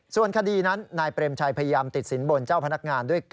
ส่วนคดีนั้นนายเปรมชัยพยายามติดสินบนเจ้าพนักงานด้วย๙